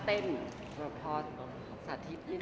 บ๊วยงสุโยถ้าเต้นหรือพอ